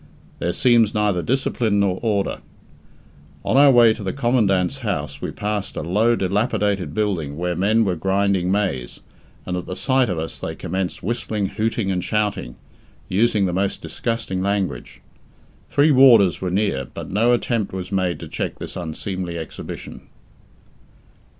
There seems neither discipline nor order. On our way to the Commandant's house we passed a low dilapidated building where men were grinding maize, and at the sight of us they commenced whistling, hooting, and shouting, using the most disgusting language. Three warders were near, but no attempt was made to check this unseemly exhibition.